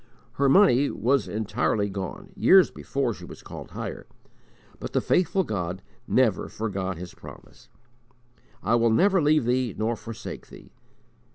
Her money was entirely gone, years before she was called higher, but the faithful God never forgot His promise: "I will never leave thee nor forsake thee."